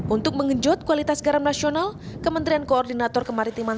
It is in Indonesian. untuk mengejut kualitas garam nasional kementerian koordinator kemaritiman